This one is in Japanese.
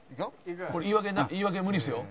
言い訳無理ですよ。